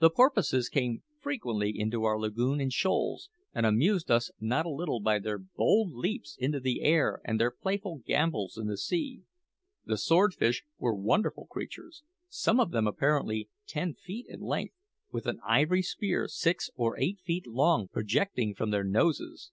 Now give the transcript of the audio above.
The porpoises came frequently into our lagoon in shoals, and amused us not a little by their bold leaps into the air and their playful gambols in the sea. The swordfish were wonderful creatures some of them apparently ten feet in length, with an ivory spear six or eight feet long projecting from their noses.